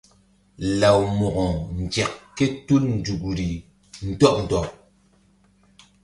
Law Mo̧ko nzek ké tul nzukri ndɔɓ ndɔɓ.